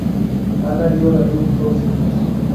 Ana dio a luz dos hijos.